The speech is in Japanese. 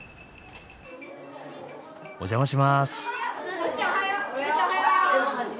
お邪魔します。